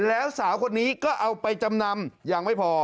แล้วสาวคนนี้ก็เอาไปจำนำยังไม่พอ